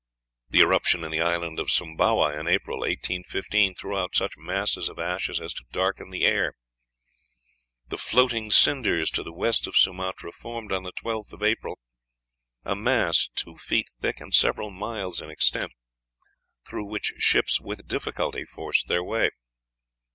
The eruption in the island of Sumbawa, in April, 1815, threw out such masses of ashes as to darken the air. "The floating cinders to the west of Sumatra formed, on the 12th of April, a mass two feet thick and several miles in extent, through which ships with difficulty forced their way."